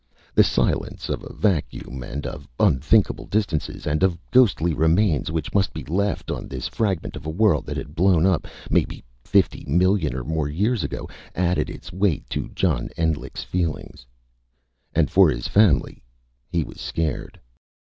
The silence of a vacuum, and of unthinkable distances, and of ghostly remains which must be left on this fragment of a world that had blown up, maybe fifty million or more years ago, added its weight to John Endlich's feelings. And for his family, he was scared.